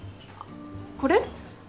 これ？